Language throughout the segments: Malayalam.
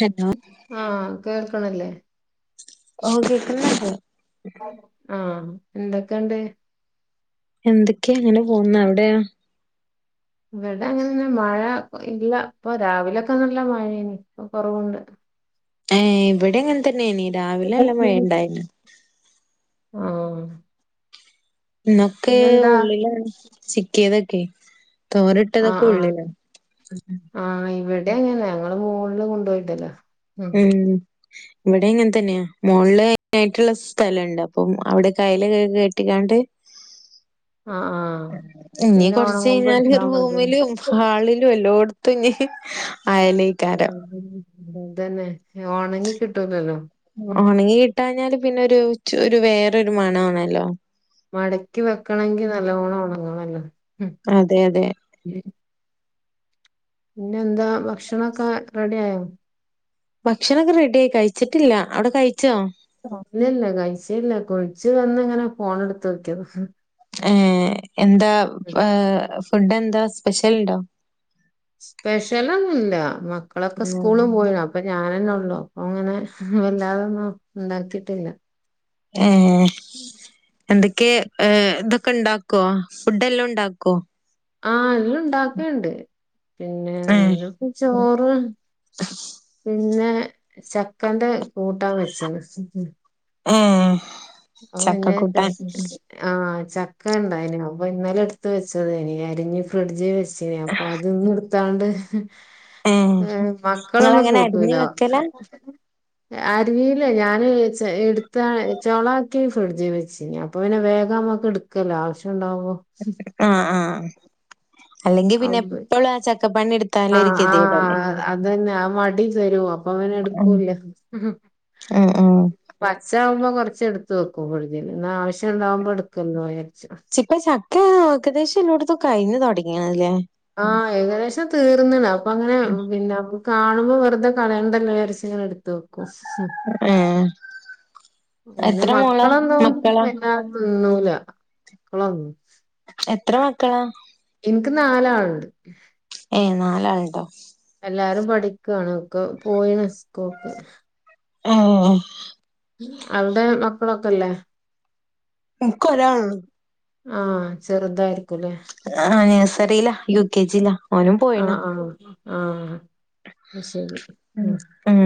ഹലോ ആഹ് കേൾക്ക്ണില്ലേ ഓഹ് കേൾക്കുന്നുണ്ട് ആഹ് എന്തൊക്കെണ്ട് എന്തൊക്കെ ഇങ്ങനെ പോകുന്നു അവിടെയോ ഇവിടെ അങ്ങനെന്നെ മഴ ഇല്ല ഇപ്പൊ രാവിലൊക്കെ നല്ല മഴേയ്ന് ഇപ്പോ കുറവുണ്ട് ഏഹ് ഇവിടെ അങ്ങനെതന്നേയ്ന് രാവിലെ നല്ല മഴ ഉണ്ടായീന് ആഹ് ഇന്നൊക്കെ ഇന്നെന്താ ഉള്ളിലാണ് സിക്കിയതൊക്കെയ് ആഹ് ആഹ് ആഹ് ഇവിടെ അങ്ങനെയാ ഞങ്ങള് മോളില് കൊണ്ടുപോയിടലാ ഉം ഇവിടെ അങ്ങൻതന്നെയാ മോൾള്ള് ആതിനായിട്ടുള്ള സ്ഥലണ്ട് അപ്പം അവിടെക്കെ അയല് കേ കെ ട്ടിങ്ങാണ്ട് ആഹ് ആഹ് ഇഞ് പിന്നെ ഒണങ്ങുമ്പോ കൊറച്ചഴിഞാല് എടുത്താ മതി ഉം റൂമിലും, ഹാളിലും എല്ലോട്ത്തുഞ് അയലെക്കാരം അതന്നെ ഒണങ്ങി കിട്ടൂലല്ലോ ഉം ഒണങ്ങി കിട്ടാഞ്ഞാല് പിന്നൊരു ചു ഒരു വേറൊരു മണാണല്ലോ? മടക്കി വെക്കണെങ്കില് നല്ലോണം ഒണങ്ങണല്ലോ അതെ അതെ പിന്നെന്താ ഭക്ഷണൊക്കെ റെഡി ആയോ? ഭക്ഷണൊക്കെ റെഡി ആയി കഴിച്ചിട്ടില്ല അവിടെ കഴിച്ചോ? ഇല്ലല്ല കഴിച്ചില്ല കുൾച്ച് വന്ന്ങ്ങെനെ ഫോണ് ട്ത്ത് നോകിയെതാ ഏഹ് എന്താ ഫുഡെന്താ സ്പെഷ്യല്ണ്ടോ? സ്പെഷ്യലൊന്നുല്ല മക്കളൊക്കെ സ്കൂള് പോയിണ് അപ്പോ ഞാനന്നൊള്ളൂ അപ്പങ്ങനെ വല്ലാതൊന്നും ഇണ്ടാക്കിട്ടില്ല ഏഹ് എന്തൊക്കെ ഇതൊക്കെണ്ടാക്കുവോ ഫുഡെല്ലും ഇണ്ടാക്കോ? ആഹ് എല്ലും ഇണ്ടാക്കേണ്ട് പിന്നെ ഏഹ് ചോറ് പിന്നെ ചക്കൻ്റെ കൂട്ടാം വെച്ച്ണ് ഏഹേ അപ്പോ പിന്നെ ഇണ്ടാക്കിട്ടില്ല ആഹ് ചക്കെണ്ടായിന് അപ്പഹ് ഇന്നലെട്ത്ത് വെച്ചതേനി എരിഞ് ഫ്രിഡ്ജ് വെച്ചേ നി അപ്പൊ അത് ന്ന്ട്ത്താണ്ട് ഏഹ് മക്കളൊന്നും ഇങ്ങളങ്ങനെ അരിഞ്ഞ് കൂട്ടൂല വെക്കലാ? അരീല്ല ഞാന് ചെ എട്ത്താ ചൊളൊ ട്‌ക്കെ ഫ്രിഡ്ജ് വെച്ചിനിയെ അപ്പൊ പിന്നെ വേഗമ്മക്ക് എടുക്കല്ലോ? ആവ്ശ്യംണ്ടാവുമ്പോ ആഹ ആഹ അല്ലെങ്കി പിന്നെ എപ്പളും ആ ചക്കപ്പണിയെട്ത്താലൊരു ആഹ് ഗതിയെടെല്ലേ? ആഹ് അതന്നെ ആ മടി വരും അപ്പൊ പിന്നെ ഉം എടുക്കൂല്യ ഉം ഉം. പച്ചാകുമ്പോ കൊറച്ചെടുത്ത് വെക്കും ഫ്രിഡ്ജില് ഇന്നാവിശ്യംണ്ടാവുമ്പോ എടുക്കല്ലോജാര്ച്ച് ഷിപ്പ ചക്ക ഏകദേശെല്ലോട്ത്തും കഴിഞ്ഞു തൊടങ്ങീണ്ല്ലേ? ആഹ് ഏകദേശം തീർന്ന്ണ് അഹ്പ്പങ്ങനെ പിന്നെ അ കാണുമ്പോ വെറ്തെ കളയേണ്ടല്ലോജാര്ച്ച് ങ്ങനെട്ത്ത് വെക്കും ഏഹേ പിന്നെ മക്കളൊന്നും മക്കളാ? പിന്നെ തിന്നൂല്ല മക്കളൊന്നും എത്ര മക്കളാ? ഇൻക്ക് നാലാള്ണ്ട് എഹ് നാലാള്ണ്ടോ? എല്ലാരും പഠിക്കാണ് ഒക്കെ പോയിണ് സ്കൂക്ക് ഏഹേ അവ്ടെ മക്കളൊക്കെല്ലേ? ഇക്കൊരാളൊള്ളൂ ആഹ് ചെറുതായിരിക്കും ആ നഴ്സറീല യു കെ ജി ലാ ഓനും പോയിണ് ആഹ് ആഹാ അഹ് ശെരി ഉം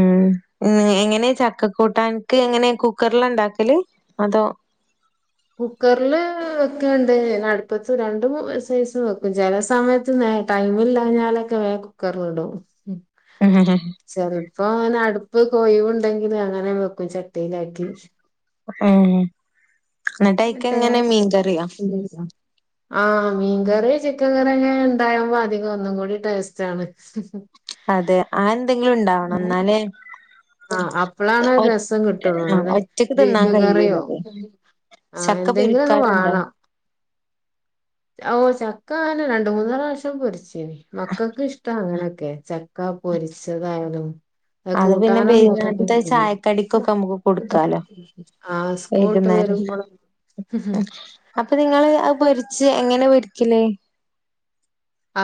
മ് എങ്ങനെ ചക്കക്കൂട്ടൻക്ക് എങ്ങനെ കുക്കർലാ ഇണ്ടാക്കല് അതോ? കുക്കർല് വെക്കേണ്ട് പിന്നട്പ്പത്ത് രണ്ട് സൈസും വെക്കും ചെല സമയത്ത് ടൈമില്ലാഞ്ഞാലൊക്കെ വേം കുക്കറില്ടും മ് ചെൽപ്പങ്ങെനെ അടുപ്പൊക്കെ ഒയ്‌വ്ണ്ടെങ്കിലങ്ങനെ വെക്കും ചട്ടിയിലാക്കി ഏഹേ മറ്റേ എങ്ങെട്ടയ്ക്കെങ്ങനെ മീൻ കറിയോ? ആഹ്, മീൻ കറി, ചിക്കൻ കറി, ക്കെ ണ്ടായമ്പോ, അധികം ഒന്നും കൂടി ടേസ്റ്റ് ആണ്. [inaudible] അതെ, ആഹ് ന്തെങ്കിലും ണ്ടാവണം. ന്നാലേ? ആഹ് അപ്പളാണ് ഒറ്റ, രസം കിട്ടുള്ളൂ ആഹ്, അല്ലെ ഒറ്റക്ക് തിന്നാൻ ബീഫ് കറിയോ കഴിയൂല്ലത് ആഹ് ചക്ക എന്തെങ്കിലും ഒന്ന് പൊരിക്കാറുണ്ടോ? ഓ, ചക്ക അങ്ങനെ രണ്ട് മൂന്നു പ്രാവശ്യം പൊരിച്ന്. മക്കൾക്ക് ഇഷ്ട അങ്ങനെയൊക്കെ ച ക്ക, പൊരിച്ചതായതും. അ അത് പിന്നെ കൂട്ടാൻ ഒന്നും വൈകുന്നേരത്തെ ചായക്കടിക്കൊക്കെ നമുക്ക് കൊടുക്കാലോ ആഹ്, സ്കൂളട്ട് വൈകുന്നേരം വരുമ്പോൾ ഹ് ഹ് അപ്പൊ, നിങ്ങള് അത് പൊരിച്ച് എങ്ങനെ പൊരിക്കല്?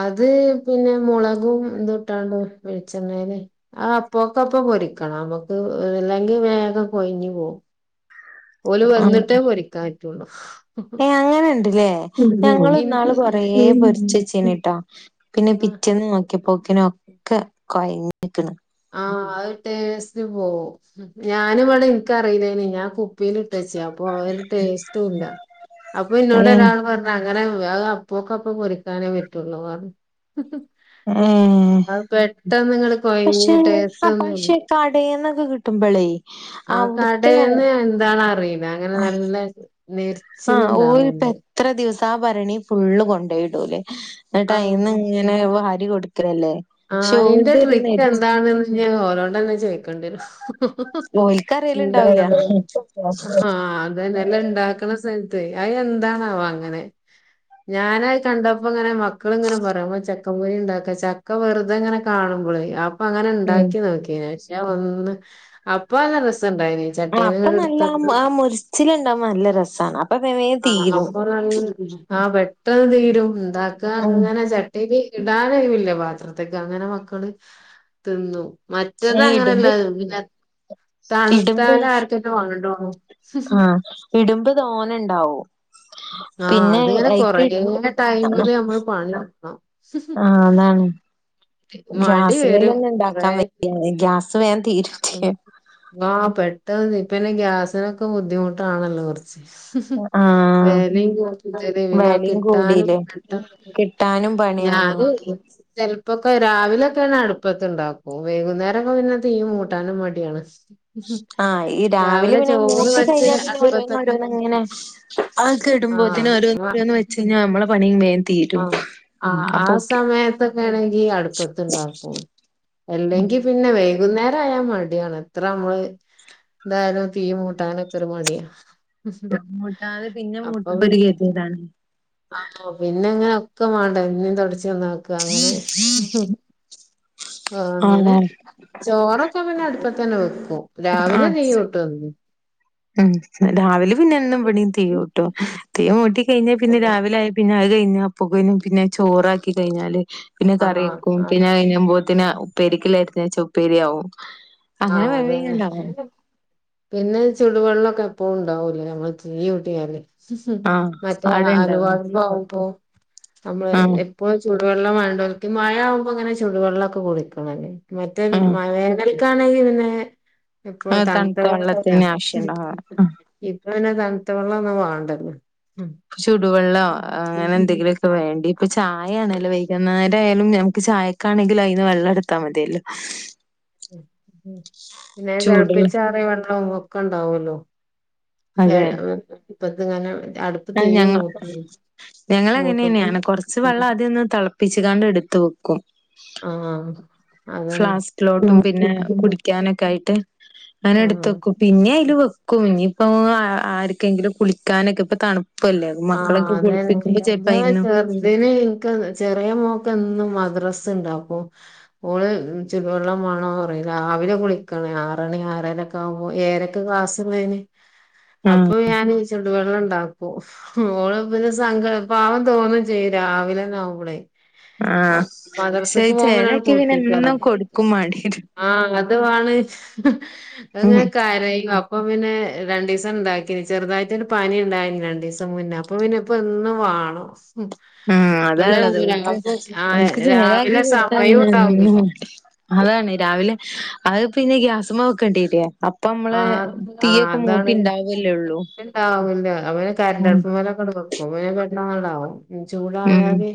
അത്, പിന്നെ, മുളകും ഇതും, ഇട്ടാണ്ട് വെളിച്ചെണ്ണേല്. ആഹ്, പോക്കപ്പം, പൊരിക്കണം. നമ്മുക്ക് ല്ലെങ്കി വേഗം കൊയിഞ്ഞ് പോവും. ഓല് ആഹ്, വന്നിട്ടേ പൊരിക്കാൻ പറ്റുള്ളൂ ഏ അങ്ങനെണ്ട് ല്ലേ? ഞങ്ങിന്നാള് കൊറേ പൊരി ഇൻക്ക് ചെച്ചീന്നു ട്ടാ? പിന്നെ, ആഹ് പിറ്റന്ന് നോക്കിയപ്പോക്കന ഒക്കെ കൊഴഞ്ഞിക്ക്ണ്. ആഹ്, ടേസ്റ്റ് പോവും. ഞാനുംവിടെ ഇൻ ക്കറില്ലനീ. ഞാൻ കുപ്പീലിട്ടേച് അപ്പൊ, ഒര് ടേസ്ട്ടുല്ല. അപ്പൊ ഇന്നോട് ഏഹ് ഒരാൾ പറഞ്ഞ അങ്ങനെ അപ്പോക്ക അപ്പ പൊരിക്കാനെ പറ്റുള്ളൂ. ഏഹ് അഹ് പെട്ടെന്ന്ങ്‌ട് കൊയഞ് [unintelligible] പക്ഷെ കടെന്നൊക്കെ കിട്ടുമ്പളേ.. ആഹ്, അവ്ടുത്തെ കടെന്നു എന്തണ അറില അങ്ങനെ നല്ല നെരിച്ചിൽ ഇണ്ടാവേണ്ട്. ഇത്ര ദിവസം ആ ഭരണി ഫുള്ള് കൊണ്ടോയിടൂലേ. ന്നിട്ട ആഹ് യ്ന്നു ങ്ങനെ വാരി കൊടു കലല്ലേ ആഹ് അയിന്റെ ട്രിക്ക് എന്താന്ന് ഓരോടന്നെ ചോയ്‌ക്കേണ്ടി രും. ഉം, ഓൽക്കറിയലുണ്ടാവൂല. ആഹ ന്നെല്ല, ഉണ്ടാക്കണ സ്ഥൽത്ത് അയ് എന്താണവ അങ്ങനെ? ഞാനഹ് കണ്ടപ്പോ ങ്ങനെ മക്കള്ങ്ങനെ പറയും മ്മാ ചക്കപ്പൊരി ണ്ടാക്കാ ചക് ചക്ക വെറുതെ ങ്ങനെ കാണുമ്പോളെ അപ്പൊ അങ്ങനെ ഉം ണ്ടാക്കി നോക്കിന് ഞാൻ ഒന്ന് അപ്പൊ നല്ല രസുണ്ടായിന് അപ്പൊ നല്ല ആഹ് ആഹ് മൊരിച്ചില് ണ്ടാവുമ്പോ, നല്ല രസാണ് വേം ആഹ് തീരും. അപ്പൊ നല് ആഹ് പെട്ടെന്ന് തീരും ണ്ടാക്ക ഉം ങ്ങന ച ട്യില് ഇടാനയുവില്ല പാത്രതിക് അങ്ങനെ മക്കള് തിന്നും മറ്റത് അങ്ങനെല്ല ഇടുമ്പോ ഇടുമ്പ് തണുത്താല ർക്കെറ്റെ വണ്ടോണ് ഇടുംബ തോനെ ണ്ടാവും. ആഹ്, അതിങ്ങനെ കൊറേ ആഹ് ടൈമില് നമ്മള് പണി ട്ക്കണം. ആഹ്, അതാണ് മടി ഗ്യാസ് വരും മേലൊന്നും കൊറേ ണ്ടാക്കാൻ വെക്കരുത്, ഗ്യാസ് വേം തീരും ചെയ്യും. ആഹ്, പെട്ടെന്ന് തീ പ്പെനെ ഗ്യാസിനൊക്ക ബുദ്ധിമുട്ടാണല്ലോ? കൊർച്ച്. ആഹ് വെലിം കൂടുതല്, പിന്നെ വെലിം കിട്ടാനും കൂടീലെ പെട്ടെന്ന്. കിട്ടാനും പണിയാണ്. ഞാന്. ചെല്പ്പൊക്കെ? രാവിലൊക്കെയണ അടുപ്പത് ണ്ടാക്കും. വൈകുന്നേരം ഒക്കെ പിന്നെ തീ മൂട്ടാനും മഡ്യാണ്. ആഹ്, ഈ രാവിലെ പിന്നെ മൂട്ടി വെച്ച് കഴിഞ്ഞാ പിന്നെ, ഓരോന്ന് അടുപ്പത്തൊക്കെ ഓരോന്ന് ങ്ങനെ ആഒക്ക്, ഇടുമ്പോത്തിന് ആഹ് ഓരോന്ന് ആഹ് രോന്ന് വെച്ച് കഴിഞ്ഞാ നമ്മള പണിം വേം തീരും. ആഹ്, ആ അപ്പൊ ഓക്കെ. സമയത്തൊക്കെ ണെങ്കി അട്പ്പത്ണ്ടാക്കും, എല്ലെങ്കി. പിന്നെ, വൈകുന്നേരായ മടിയാണ് ത്ര നമ്മള് ന്തായാലും തീ മൂട്ടനെക്കെരു മടിയാ.... ആഹ് മൂട്ടാതെ പിന്നെ അപ്പൊ മൂട്ട്മ്പോ ഒരുകതിയേടാ പിന്നെ ണ്. ത്തിയതാണ് ആഹ്, പിന്ന ങ്ങനെ ഒക്കെ മാണ്ടേ പിന്നീ തുടച്ച് നന്നാക്ക അങ്ങനെ. ആഹ്, ങ്ങനെ ചോറൊക്കെ പിന്നെ അടുപ്പതെന്നെവെക്കും രാവിലെ ആഹ് തീയൂട്ടും എന്നും.. ഉം, രാവിലെ പിന്നെ എന്നും ഇവിടിം തീയൂട്ടും. തീ, മൂട്ടീകഴിഞ്ഞാൽ പിന്നെ അല്ല രാവിലെ ആ പിന്നെ അത് കഴിഞ്ഞപ്പുകനും പിന്നെ ചോറാക്കി കഴിഞ്ഞാല് പിന്നെ കറി ആഹ് വെക്കും ആഹ് പിന്നെ കഴിയുമ്പോത്തിനെ ഉപ്പേരിക്കല്ല എടുത്ത്‌യിച്ചാ ഉപ്പേരിയാവും അങ്ങനെ ആഹ് വേവി അതന്നെ ഉണ്ടാവും പിന്നെ ചുടുവെള്ളമൊക്കെ എപ്പോഴും ഉണ്ടാവൂലേ നമ്മള് തീ കൂട്ടിയാല് ആഹ് മറ്റേ അവിടെ ഇണ്ടാവും. അലവാഴുമപ്പോ നമ്മള് ആഹ് ഇപ്പോ ചുടു വെള്ളം വേണ്ടോക്ക്, മഴ ആവുമ്പോ ഇങ്ങനെ ചുടുവെള്ള ഒക്കെ കുടിക്കണല്ലേ മറ്റേ ആഹ്. എനിക്കാണെങ്കിൽ പിന്നെ എപ്പോഴു ആഹ് തണുത്ത വെള്ളത്തിന് ആവശ്യണ്ടാവാ. ആഹ് ഇപ്പ പിന്നെ തണുത്ത വെള്ളം ഒന്നും വേണ്ട ചുടുവെള്ളം അങ്ങനെ എന്തെങ്കിലുമൊക്കെ വേണ്ടി ഇപ്പൊ ചായ ആണല്ലോ വൈകുന്നേരം ആയാലും നമക്ക് ചായക്കാണെങ്കിലും അതിന്ന് വെള്ളം എടുത്താൽ മതിയല്ലോ ഉം പിന്നെ ചൂടുള്ള തിപ്പിച്ചാറിയ വെള്ളവും ഒക്കെ ഉണ്ടാവല്ലോ ' ഏ ഇപ്പങ്ങെ അടുപ്പ അ ഞങ്ങളിങ്ങനെ അങ്ങനെ മൂട്ടുമ്പോ തന്നെയാണ് കുറച്ച് വെള്ളം ആദ്യം മൊന്ന് തെളപ്പ പിച്ചുകാണ്ട് എടുത്ത വെക്കും ആഹ ഫ്ലാസ്കിലോട്ടും പിന്നെ കുടിക്കാനൊക്കെ ആയിട്ട് അങ്ങനെ എടുത്ത് വെക്കും, പിന്നെ അതില് ആഹ് വെക്കും ഇനിയിപ്പ ആർക്കെങ്കിലും കുളിക്കാനൊക്കെ ഇപ്പൊ തണുപ്പ ആഹ അതെ ചീന്ന അയിന്ന് ചെറുന്തനെ ചെറിയ മോക്ക് എന്നും മദ്രസ ഇണ്ടാവും ഓള് ചുടു വെള്ളം വേണോ പറയു രാവിലെ കുളിക്കണേ ആറണി ആറരയ്ക്കെ ഏഴരൊക്കെ ക്ലാസുള്ളേന് ആഹ് അപ്പൊ ഞാൻ ചോദിച്ചിണ്ട് വെള്ളം ഇണ്ടാക്കും മോള് പിന്നെ സങ്കട പാവം തോന്നും ചെയ്യും രാവിലെന്നാവുമ്പളെ ആഹ് പക്ഷെ മദ്രസക്ക് പോകുമ്പോനാണ് ചേലാക്കിയ പിന്നെ കുളപ്പിക്കുവത് എന്നും കൊടുക്കും മാണ്ടിയേരും. ആഹ് അങ്ങനത്തതാണ് അങ്ങ് ഉം കരയും അപ്പ പിന്നെ രണ്ടീസം ണ്ടാക്കിനി ചെറുതായിട്ടൊരു പനി ണ്ടായിനി രണ്ടീസം മുന്നേ അപ്പൊ പിന്നേ ഇപ്പ എന്നും വാണം ആഹ് ഇവിടെ അതാള്ളത് രാവിലെ ആഹ് ഓൽക്ക് ചേലാക്കി രാവിലെ കൊടുത്താ സമയോം പിന്ന ഉണ്ടാവൂലേ എന്നും അതാണ് രാവിലെ അത് പിന്നെ ഗ്യാസ്മ്മേ വെക്കേണ്ടിരിയെ ആഹ് ആഹ് അതാണ് ഇണ്ടാവല്ലേ ഒള്ളൂ. ആവൂല അപ്പം ഞാൻ കരണ്ട് ഉം അടുപ്പ് മേല്ഒക്കെ വെക്കും ഇപ്പം പിന്നെ പെട്ടന്ന് ങ്ങണ്ട് ആവും ചൂട് ഉം ആയാല്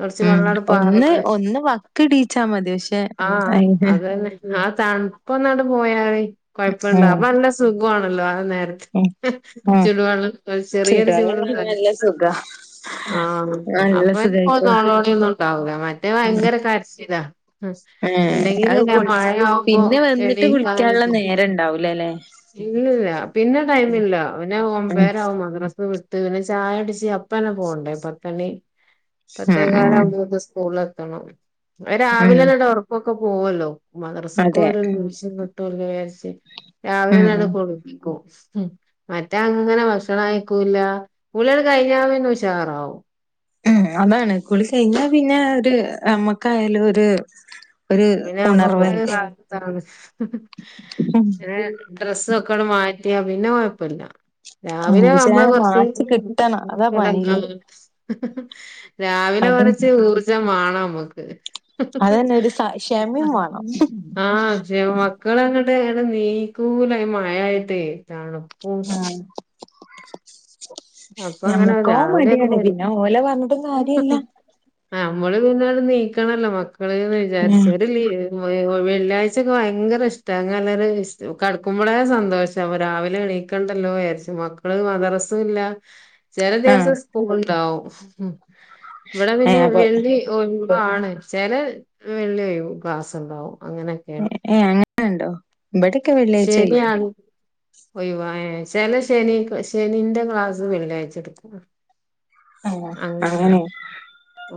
കൊറച്ച് ഉം വെള്ളട് ഒന്ന് പാറ്ന്ന് ഒന്ന് വക്കിടീച്ചാ മതി പക്ഷെ ആഹ് അയിന് അതന്നെ ആഹ് തണുപ്പൊന്നാണ്ട് പോയാല് കൊഴപ്പണ്ടാ ഉം അപ്പ നല്ല സുഖാണല്ലോ ആ നേരം ഉം ഉം ചുട് വെള്ളം ചെറിയൊരു ചുടുവെള്ളം കാണാൻ ചൂട്ണ്ടയാ നല്ല സുഖാ ആഹ് നല്ല അപ്പൊ സുഖായിപ്പോ നോളോളി ഒന്നും ണ്ടാവൂല മറ്റേ ഭയങ്കര കരചിലാ ഏഹ് എല്ലെങ്കിൽന്നെ അത് ഞാൻ കുളി മഴയാവുമ്പോ പിന്നെ വന്നിട്ട് എണീക്കാനന്നേ കുളിക്കാനുള്ള നേരം ഉണ്ടാവൂലല്ലേ ഇല്ലില്ല പിന്നെ ടൈമ് ഇല്ല പിന്നെ ഉം ഒമ്പേരാവും മദ്രസ വിട്ട് പിന്നെ ചായടിച്ച് അപ്പ് പ്പന്നെ പോണ്ടേ പത്തണി ഉം പത്തേക്കാല് ഉം ആവുമ്പോത്ത് സ്കൂള് എത്തണം അത് ഉം രാവിലെ തന്നെ ഉറക്കോക്കെ പോവല്ലോ മദ്രസക് അതെ ഓരോ നിമിഷം കിട്ടല്ലോ യാരിച്ച് രാവിലെ ഉം ന്നേ ഉം കുളിപ്പിക്കും മറ്റേ അങ്ങനെ ഭക്ഷണം കയിക്കൂല്ല കുളിയാണ്ട് കഴിഞ്ഞാ ഉശാറാവും അതാണ് കുളിക്കഴിഞ്ഞാ പിന്നെ ഒരു നമ്മക്കായാലും ഒര് പിന്നെ നമ്മക്കൊരു റാഹത്താണ് ഉം ഡ്രസ്സ്ക്ക ങ്ങണ്ട് മാറ്റിയി പിന്നെ കൊഴപ്പല്ല ഉം രാവിലെ പക്ഷെ നമ്മള് അത് കൊറച്ച് മാറ്റി കിട്ടണം അതാ പണില്ലേ എടങ്ങറാവും ഹ് ഹ് രാവിലെ കൊറച്ച് ഊർജംവാണം മ്മക്ക് ഹ് ഹ് അതന്നെ ഒരു സ ക്ഷമയും വേണം ആഹ് ജ് മ മക്കള് അങ്ങട്ട് നീക്കൂല ഈ മഴായിട്ടേ തണുപ്പും ആഹ് അപ്പൊ അങ്ങനെ ഞമ്മക്കോ രാവിലെ ഒരു മടിയാണ് പരി പിന്നെ ഓല പറഞ്ഞിട്ടും കാര്യല്ല ആഹ് നമ്മള് പിന്ന നീക്കണല്ലോ മക്കള് വിചാരിച് ഉം ഒര് ലീവ് വെള്ളിയാഴ്ചൊക്കെ ഭയങ്കര ഇഷ്ട ഭയങ്കര കടക്കുമ്പോളേ സന്തോഷാ രാവിലെ എണീ ക്കണ്ടല്ലോ വിയാരിച് മക്കള് മദ്രസും ഇല്ല ചല ദിവസം ആഹ് സ്കൂൾ ണ്ടാവും ഇവിടെ പിന്നെ ഏഹ് അപ്പൊ വെള്ളി ഒഴിവാണ് ചെലെ വെള്ളി ക്ലാസ് ണ്ടാവും അങ്ങനെ ഏ അങ്ങനണ്ടോ ഇവിടൊക്കെ വെള്ളിയാഴ്ച ഒഴിവാ ഒയിവ ഏ ചെലെ ശനി ശനിന്റെ ക്ലാസ്സ് വെള്ളിയാഴ്ച്ചെടുക്കും ആഹ് അങ്ങനെയ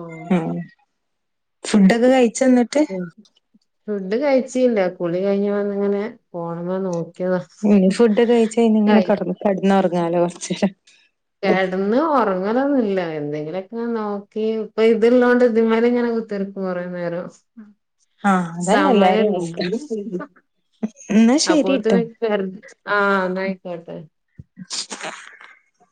ആഹ് മ്മ് ഫുഡൊക്കെ കഴിച്ചോ ന്നിട്ട് ഫുഡ് കഴിച്ചില്ല കുളി കഴിഞ് വന്ങ്ങനെ ഫോൺ മ്മേ നോ ഇനി ഫുഡ്ക്ക കഴിച്ച്ഞ്ഞാ ഇങ്ങനെ കടന്നറങ്ങാലോ കൊറചേരം കിടന്ന് ഉറങ്ങലൊന്നും ല്ല എന്തെങ്കിലുക്കെ ങ്ങനെ നോക്കി ഇപ്പൊ ഇത്ള്ളോണ്ട് ഇതിമ്മല് ഇങ്ങനെ കുത്തിർ കുറേ നേരം ആഹ് അതന്നെ എല്ലാരേം അവസ്ഥ സമയല്ല എന്നാ ശരിട്ടോ അപ്പോത്തിന് ആഹ് നായിക്കോട്ടെ [unintelligible]